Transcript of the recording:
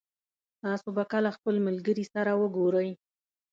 تاسو به کله خپل ملګري سره وګورئ